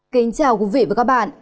kính chào quý vị và các bạn